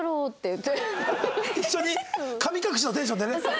一緒に神隠しのテンションでね。